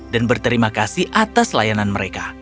dan berterima kasih atas layanan mereka